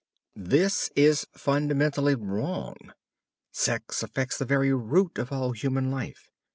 This is fundamentally wrong. Sex affects the very root of all human life.